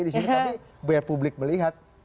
di sini kami biar publik melihat